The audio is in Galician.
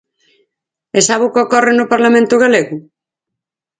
¿E sabe o que ocorre no Parlamento galego?